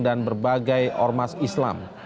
dan berbagai ormas islam